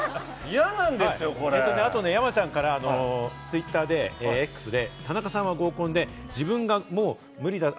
あとね山ちゃんからツイッターでＸで田中さんは合コンで自分がもう無理だと。